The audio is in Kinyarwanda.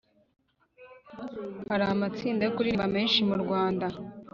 hari amatsinda yo kuririmba menshi mu rwanda,